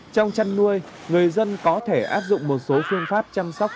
trong chăn nuôi người dân có thể áp dụng một số phương pháp chăm sóc